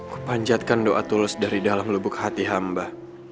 kupanjatkan doa tulus dari dalam lubuk hati hamba